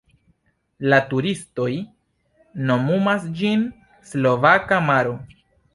La turistoj nomumas ĝin Slovaka maro.